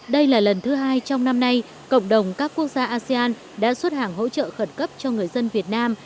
đây là lần thứ hai trong năm nay cộng đồng các quốc gia asean đã xuất hàng hỗ trợ khẩn cấp cho người dân việt nam